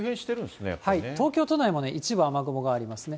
東京都内もね、一部、雨雲がありますね。